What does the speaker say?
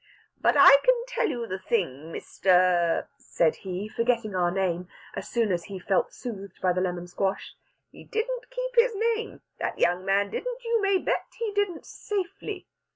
"But I can tell you thing, Mr.," said he, forgetting our name, as soon as he felt soothed by the lemon squash. "He didn't keep his name, that young man didn't. You may bet he didn't safely!